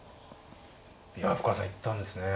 いや深浦さん行ったんですね。